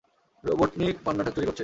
Robotnik পান্নাটা চুরি করছে!